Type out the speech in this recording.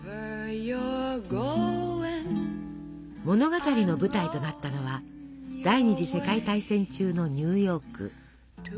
物語の舞台となったのは第２次世界大戦中のニューヨーク。